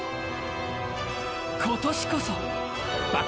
今年こそ。